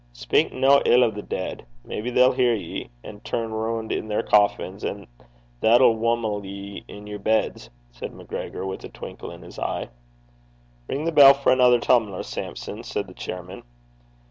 'Speyk nae ill o' the deid. Maybe they'll hear ye, and turn roon' i' their coffins, and that'll whumle you i' your beds,' said MacGregor, with a twinkle in his eye. 'Ring the bell for anither tum'ler, Sampson,' said the chairman.